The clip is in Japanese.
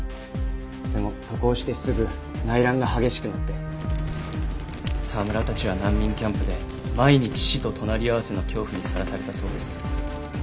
でも渡航してすぐ内乱が激しくなって沢村たちは難民キャンプで毎日死と隣り合わせの恐怖にさらされたそうです。